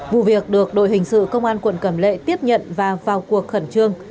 vụ việc được đội hình sự công an quận cẩm lệ tiếp nhận và vào cuộc khẩn trương